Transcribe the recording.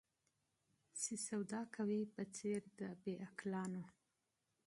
چي سودا کوې په څېر د بې عقلانو